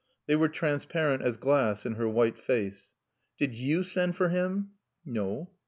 They were transparent as glass in her white face. "Did you send for him?" "No."